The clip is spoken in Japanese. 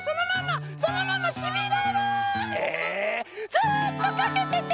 ずっとかけてて！